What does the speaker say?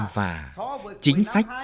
và chính sách